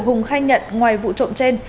hùng nhận ngoài vụ trộm trên